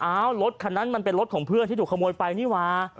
รถคันนั้นมันเป็นรถของเพื่อนที่ถูกขโมยไปนี่ว่า